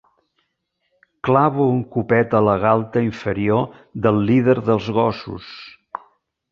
Clavo un copet a la galta inferior del líder dels Gossos.